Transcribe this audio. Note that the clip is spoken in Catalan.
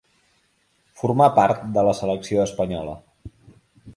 Formà part de la selecció espanyola.